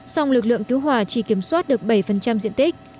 song lực lượng cứu hỏa chỉ kiểm soát được bảy diện tích